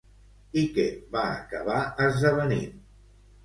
I què va acabar esdevenint?